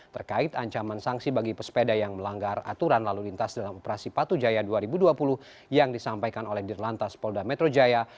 terkait ancaman sanksi bagi pesepeda yang melanggar aturan lalu lintas dalam operasi patu jaya dua ribu dua puluh yang disampaikan oleh dirlantas polda metro jaya